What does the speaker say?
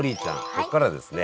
ここからはですね